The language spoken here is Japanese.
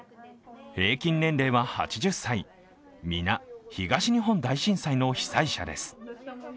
平均年齢は８０歳、皆、東日本大震災の被災者です。